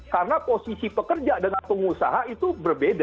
karena posisi pekerja dan pengusaha itu berbeda